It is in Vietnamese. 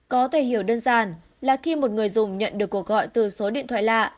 có thể hiểu đơn giản là khi một người dùng nhận được cuộc gọi từ số điện thoại lạ